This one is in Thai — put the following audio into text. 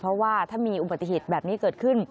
เพราะว่าถ้ามีอุบัติเหตุแบบนี้เกิดขึ้น